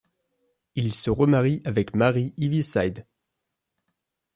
Il se remarie avec Mary Heaviside.